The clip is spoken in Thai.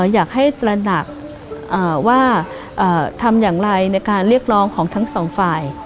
อยากให้ระดับว่าทำอย่างไรในการเรียกรองของทั้งสองฝ่าย